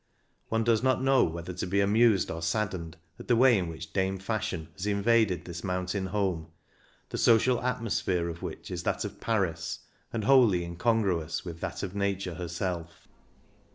One does not know whether to be amused or saddened at the way in which Dame Fashion has invaded this mountain home, the social atmosphere of which is that of Paris, and wholly incongruous with that of Nature herself.